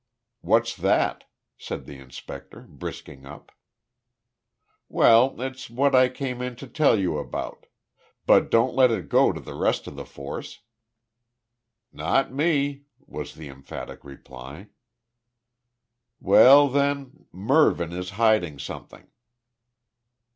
"What's that?" said the inspector, brisking up. "Well, it's what I came in to tell you about. But don't let it go to the rest of the Force." "Not me," was the emphatic reply. "Well then, Mervyn is hiding something."